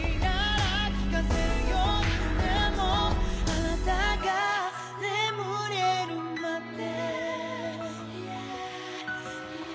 「あなたが眠れるまで」